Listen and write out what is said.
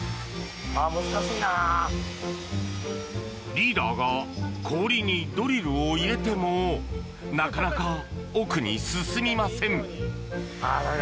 リーダーが氷にドリルを入れてもなかなか奥に進みません。